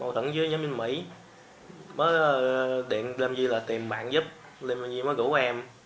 tận dưới nhóm bên mỹ mới điện lâm duy là tìm bạn giúp lâm duy mới gửi em